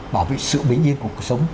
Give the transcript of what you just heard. bảo vệ sự bình yên của cuộc sống